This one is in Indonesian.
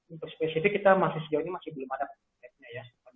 untuk spesifik kita masih sejauh ini masih belum ada